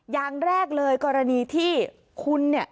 อย่างแรกเลยกรณีที่คุณเนี่ย